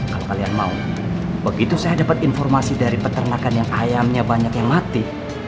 kalau kalian mau begitu saya dapat informasi dari peternakan yang ayamnya banyak yang mati